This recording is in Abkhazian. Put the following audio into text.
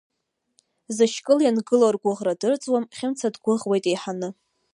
Зышькыл иангылоу ргәыӷра дырӡуам, Хьымца дгәыӷуеит еиҳаны.